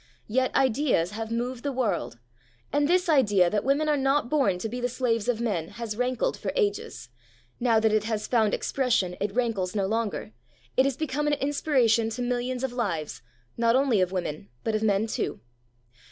Yet ideas have moved the world, and this idea that women are not born to be the slaves of men has rankled for ages; now that it has found expression, it rankles no longer, it has become an inspiration to millions of lives, not only of women but of men too.